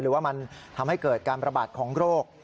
หรือว่ามันทำให้เกิดการประบาดของโรค